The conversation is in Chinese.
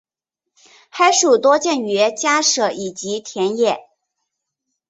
黑鼠多见于家舍以及田野。